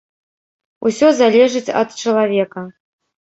Усё залежыць ад чалавека.